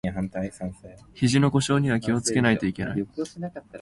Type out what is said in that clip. ひじの故障には気をつけないといけない